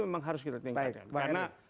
memang harus kita tingkatkan karena